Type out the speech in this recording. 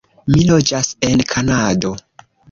Mi loĝas en Kanado.